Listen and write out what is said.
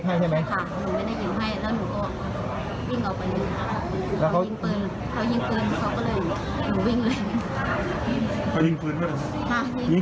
เขาติดพื้น